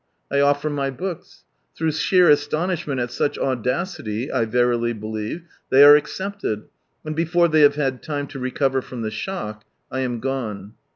I offer my books. Through sheer astonishment at such audacity, I verily believe, they arc accepted, and before they have had time to recover from the shock, I am gone.